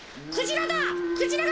クジラだ！